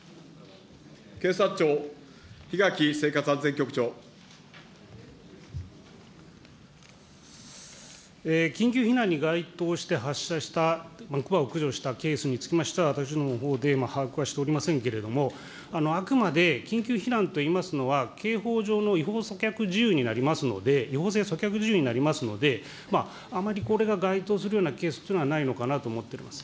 警察庁、緊急避難に該当して発射した、熊を駆除したケースにつきましては、私どものほうで把握はしておりませんけれども、あくまで緊急避難といいますのは、刑法上の違法阻却事由になりますので、違法性阻却事由になりますので、あまりこれが該当するようなケースというのはないのかなと思っております。